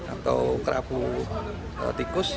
atau kerapu tikus